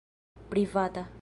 Privata.